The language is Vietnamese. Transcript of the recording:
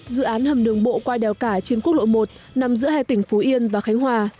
dự án hầm đường bộ qua đèo cả trên quốc lộ một nằm giữa hai tỉnh phú yên và khánh hòa